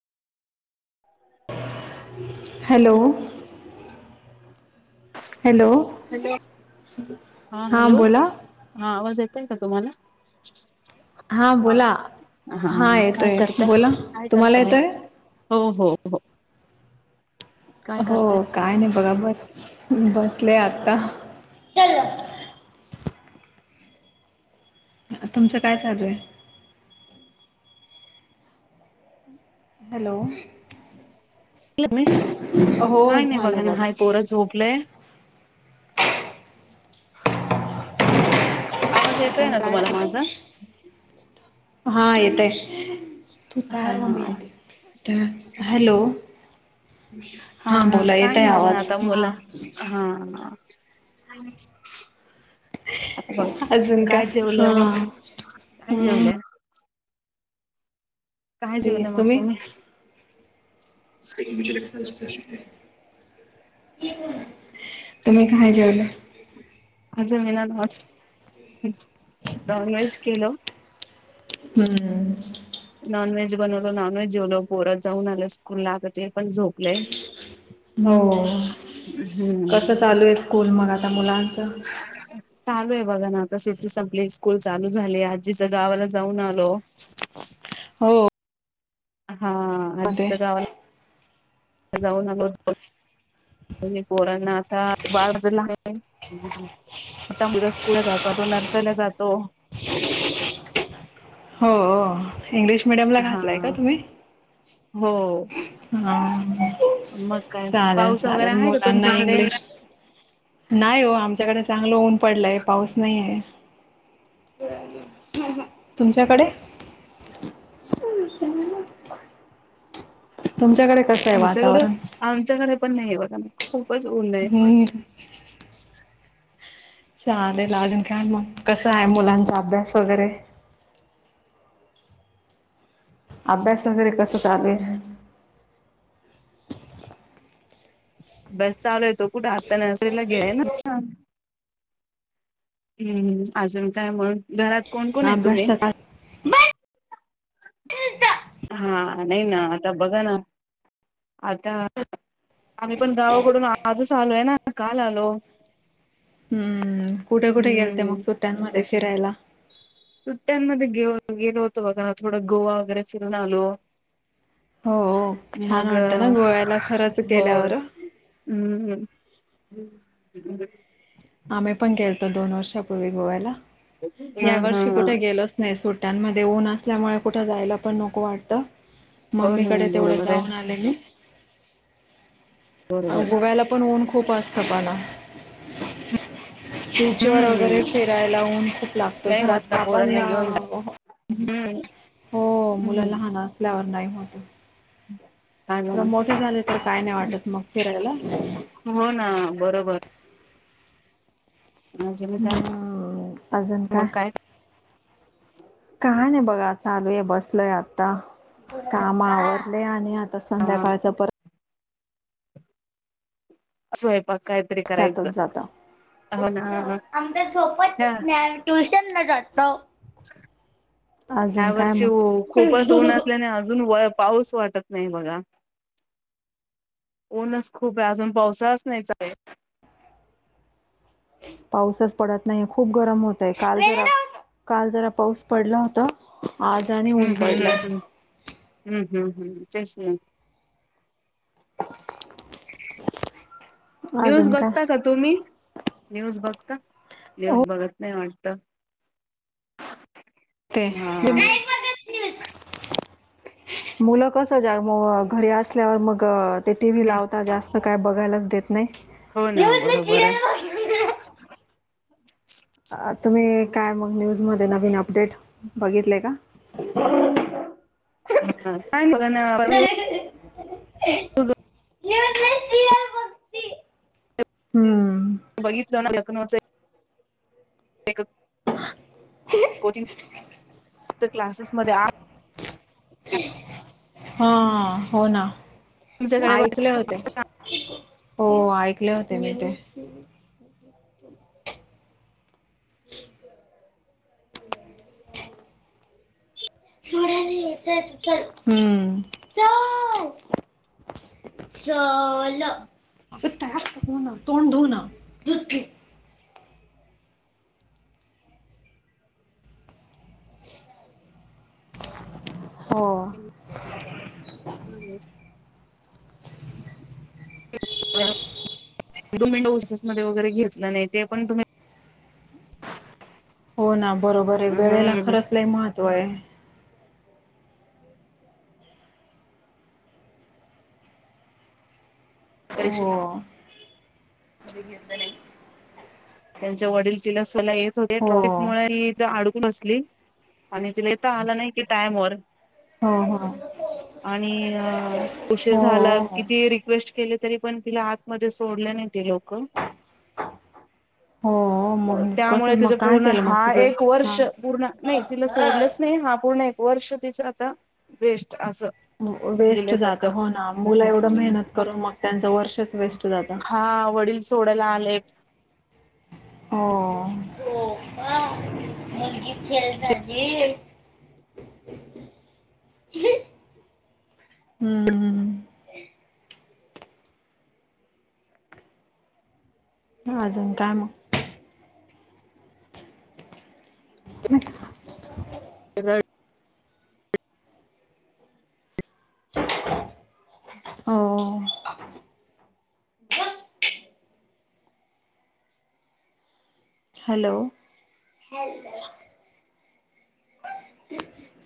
Hello. Hello hello हा हां hello बोला. हा आवाज येत आहे का तुम्हाला. हां बोला हां हा काय येतोय करतय बोला काय तुम्हाला करताय. येतोय हो हो हो. काय हो करताय काय नाही बघा बस बसले आता. तुमचं काय चालू आहे. हॅलो. हो काय नाही बग झालं बघ ना. बोर झोपलंय. आवाज येतोय अजून ना काय तुम्हाला माझा? हा येत तू हा तर हा हॅलो. हा बोला काय येतय नाही बघा ना आवाज आता हा मुला हा. आता बघ अजून का काय जेवल मग हा काय जेवल काय जेवल मग तुम्ही तुम्ही काय जेवल्या. अजून मी नॉनव्हेज केलं. हम्म. नॉनव्हेज बनवलो नॉनव्हेज जेवलो पोर जाऊन आलं स्कूलला आता ते पण झोपले. हो कसं हम्म चालू आहे स्कूल मग आता मुलांचं [unintelligible] चालू आहे बघा ना आता सुट्टी संपली स्कूल चालू झाली. आजीच्या गावाला जाऊन आलो. हो. हा मध्ये आजीच्या गावाला. जाऊन आलो. म पोरांना आता बाळज आहे. मोठ मोठ्या स्कूलला जातो नर्सरीला जातो. हो इंग्लिश मिडियम ला हा घातलाय का तुम्ही हो. हा मग काय चालेल पाऊस वगैरे चालेल आहे का मुलांना तुमच्याकडे इंग्लिश नाही हो आमच्याकडे चांगलं ऊन पडलय पाऊस नाही आहे. तुमच्याकडे तुमच्याकडे? कसं आहे आमच्याकडे वातावरण आमच्याकडे पण नाही बघा खूपच नलंं आहे. वर. चालेल अजून का्या मग कसं आहे मुलांचा अभ्यास वगैरे अभ्यास वगैरे कसं चालू आहे. बस चालू आहेेतो कुठे आत्ता नर्सरीला घेय ना. हम्म अजून काय मग घरात कोण कोण आहे तुम्ही. अभ्यासला काय हा नाही ना आता बघा ना आता. आम्ही पण गावाकडून आजच आलोय ना काल आलो. हम्म कुठे कुठे गेलते मग हम्म सुट्ट्यांमध्ये फिरायला. सुट्ट्यांमध्ये गे गेलो होतो बघा थोडं गोवा वगैरे फिरून आलो. हो छान मग वाटतं ना गोव्याला खरंच हो केल्यावर हम्म ह. आम्ही पण गेलो दोन वर्षापूर्वी गोव्याला हा या हा वर्षी कुठे गेलो असतो. नाही सुट्ट्यांमध्ये ऊन असल्यामुळे कुठं जायला पण नको वाटतं. हो ना मम्मीकडे तेवढे बरोबर आहे जाऊन आले म बरोबर गोव्याला पण ऊन खूप असत पणा टची व वगैरे हम्म फिरायला होऊन खूप लागत नाही घरात होत ना बापांना. पोरांना घेऊन हम्म. हो मुलं हम्म लहान असल्यावर नाही होत. हा ना त मोठे झाले तर काय नाही वाटत मग फिरायला. हो ना बरोबर म्हणजे मी काय अजून काय. काय नाही बघा चालूय बसलय आता. काम आवरले आणि आता अ, संध्याकाळच पर सोयपाकयत्री त्यातच जाता. ह [unintelligible] ट्युशन ला जातो. अजून ह्या काय वर्षी मग खूपच ऊन असल्याने अजून व पाऊस वाटत नाही बघा. ऊनच खूप आहे अजून पावसाळच नाहीचा ये. पाऊसच पडत नाहीय खूप गरम होतय काल जरा काल जरा पाऊस पडला होता आज आणि हम्म ऊन हम्म हम्म पडलंय हम्म हम्म हम्म हम्म तेच ना. न्यूज अजून काय बघता का तुम्ही न्यूज बघता हो न्यूज बघत नाही वाटत. ते. हा [unintelligible] मुलं कस जानु मग घरी असल्यावर मग ते टीव्ही हम्म. लावता जास्त काय बघायलाच देत नाही. हो ना बरोबर आहे [unintelligible] अ तुम्ही काय मग न्यूजमध्ये नवीन अपडेट बघितले का? काय. [unintelligible] न्यूज [unintelligible] हम्म बघितलं ना. [unintelligible] Coaching classes. [unintelligible] हा हो ना तुमच्याकडे एंकले होते. हो एंकले होते मी ते. [inaudible] [inaudible] [inaudible] [unintelligible] हम्म. [unintelligible] [unintelligible] हो. [inaudible] तुम्ही डोसेस मध्ये वगैरे घेतलं नाही ते पण तुम्ही हो ना बरोबर आहे वेळेला हम्म. खरंच लई महत्त्व आहे. हो परीक्षेला [unintelligible] त्यांच्या वडील तीला सला येत होते हो [unintelligible] मुळे ही ज अडकून असली. आणि तिला इथ आलं नाही की टाइम वर हो हो आणि अ उशीर हो झाला हो किती रिक्वेस्ट केले तरी पण तिला आतमध्ये सोडलं नाही ते लोक. हो मग त्यामुळे कसं तुझ मग काय पूर्ण केलं मग हा तिचं एक हा वर्ष पूर्ण नाही तिला सोडलंच नाही हा पूर्ण एक वर्ष तिच आता वेस्ट असं वेस्ट जात गेल्यासारखं हो ना मुलं एवढं मेहनत करून मग त्यांचं वर्षच वेस्ट जातं. हा वडील सोडायला आले हो हो. [unintelligible] [unintelligible] हम्म हम्म हम्म हम्म. अजून काय मग. हम्म. हम्म. हो. हॅलो.